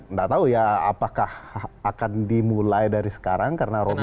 nggak tahu ya apakah akan dimulai dari sekarang karena roby